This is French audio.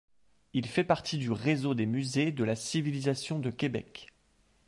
Il fait partie du réseau des musées de la civilisation de Québec.